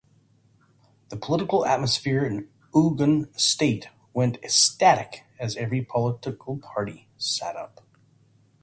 The political atmosphere in Ogun State went ecstatic as every political party sat up.